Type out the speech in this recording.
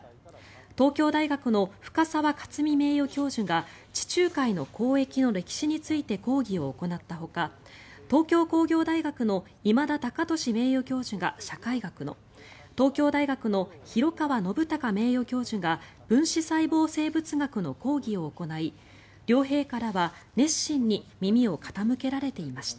東京大学の深沢克己名誉教授が地中海の交易の歴史について講義を行ったほか東京工業大学の今田高俊名誉教授が社会学の東京大学の廣川信隆名誉教授が分子細胞生物学の講義を行い両陛下らは熱心に耳を傾けられていました。